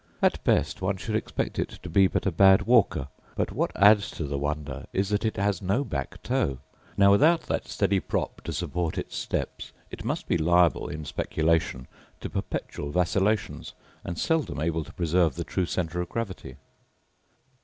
At best one should expect it to be but a bad walker: but what adds to the wonder is that it has no back toe. Now without that steady prop support its steps it must be liable, in speculation, to perpetual vacillations, and seldom able to preserve the true centre of gravity.